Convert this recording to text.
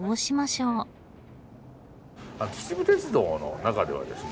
秩父鉄道の中ではですね